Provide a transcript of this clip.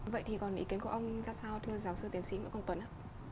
vậy thì còn ý kiến của ông ra sao thưa giáo sư tiến sĩ nguyễn công tuấn ạ